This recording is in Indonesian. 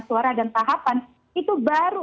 suara dan tahapan itu baru